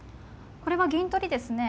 これは銀取りですね。